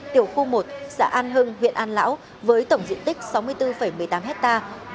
tiểu khu một xã an hưng huyện an lão với tổng diện tích sáu mươi bốn một mươi tám hectare